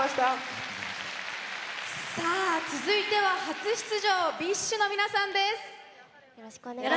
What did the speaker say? さあ、続いては初出場ＢｉＳＨの皆さんです。